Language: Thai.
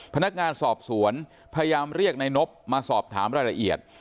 พนักงานสอบสวนพยายามเรียกนายนบมาสอบถามรายละเอียด